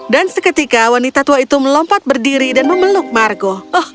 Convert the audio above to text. dan seketika wanita tua itu melompat berdiri dan memeluk margo